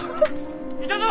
いたぞ！